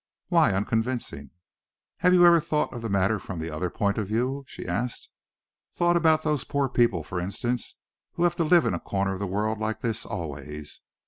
"Why unconvincing?" "Have you ever thought of the matter from the other point of view?" she asked, "thought about those poor people, for instance, who have to live in a corner of the world like this, always?